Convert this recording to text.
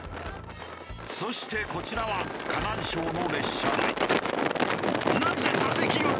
そしてこちらは河南省の列車内。